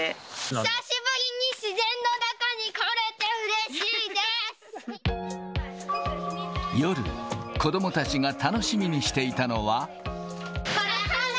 久しぶりに自然の中に来れて夜、子どもたちが楽しみにしていたのは。